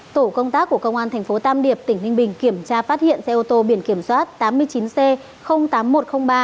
tổ công tác của công an thành phố tam điệp tỉnh ninh bình kiểm tra phát hiện xe ô tô biển kiểm soát tám mươi chín c tám nghìn một trăm linh ba